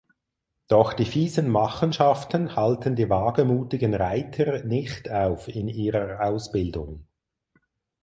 Doch die fiesen Machenschaften halten die wagemutigen Reiter nicht auf in ihrer Ausbildung.